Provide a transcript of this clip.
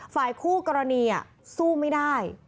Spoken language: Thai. ฝ่ายคู่กรณีสู้ไม่ได้